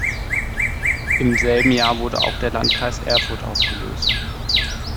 Im selben Jahr wurde auch der Landkreis Erfurt aufgelöst.